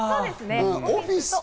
オフィスと。